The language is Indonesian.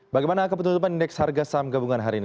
bagaimana kepentutupan indeks harga saham gabungan hari ini